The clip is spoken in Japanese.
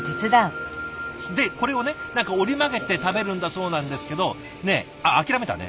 でこれをね何か折り曲げて食べるんだそうなんですけどねえああ諦めたね。